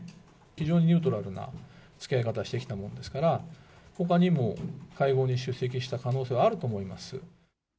非常にニュートラルなつきあい方をしてきたもんですから、ほかにも会合に出席した可能性はあると思います。